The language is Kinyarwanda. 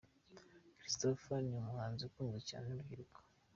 Christopher ni umuhanzi ukunzwe cyane n’urubyiruko.